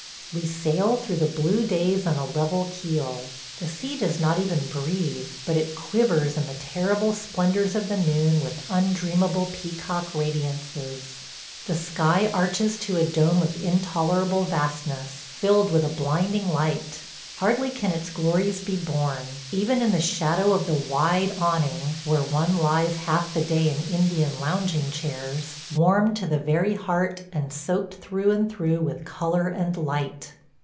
We sail through the blue days on a level keel. The sea does not even breathe; but it quivers in the terrible splendors of the noon with undreamable peacock radiances. ... The sky arches to a dome of intolerable vastness, filled with a blinding light. Hardly can its glories be borne, even in the shadow of the wide awning where one lies half the day in Indian lounging chairs, warmed to the very heart and soaked through and through with color and light.